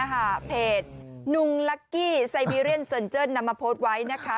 เพจนุงลักกี้ไซบีเรียนเซินเจิ้นนำมาโพสต์ไว้นะคะ